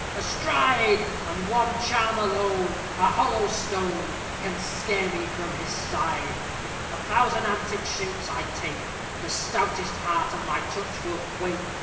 astride! And one charm alone A hollow stone! Can scare me from his side!_ A thousand antic shapes I take; The stoutest heart at my touch will quake.